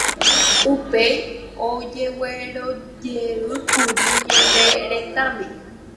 Upéi ojeguerujeýkuri ñane retãme.